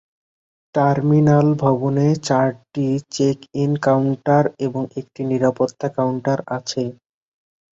Terminal ভবনে চারটি check in counter এবং একটি নিরাপত্তা কাউন্টার আছে।